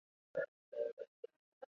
萧族部族回鹘裔。